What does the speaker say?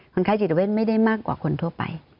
ค้าจิตเวทไม่ได้มากกว่าคนทั่วไป